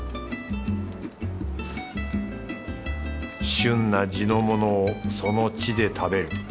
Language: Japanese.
旬な地のものをその地で食べる。